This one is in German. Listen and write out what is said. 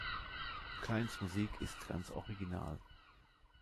Kleins Musik ist ganz original.